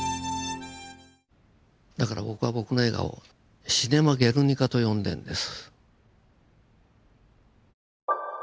だから僕は僕の映画を「シネマ・ゲルニカ」と呼んでんです。